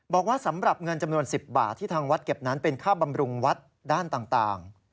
บอกว่าสำหรับเงินจำนวน๑๐บาทที่ทางวัดเก็บนั้นเป็นค่าบำรุงวัดด้านต่าง